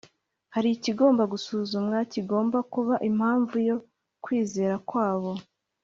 hari ikigomba gusuzumwa, kigomba kuba impamvu yo kwizera kwabo.